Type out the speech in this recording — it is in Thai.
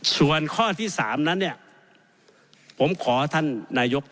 ส่วนข้อที่๓นั้นผมขอท่านนายกรรมธุตี